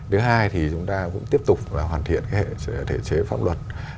thứ hai thì chúng ta cũng tiếp tục hoàn thiện cái thể chế pháp luật